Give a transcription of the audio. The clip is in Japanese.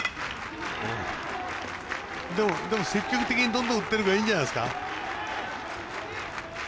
でも積極的にどんどん打ったらいいんじゃないですか。